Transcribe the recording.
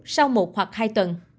sau một hoặc hai tuần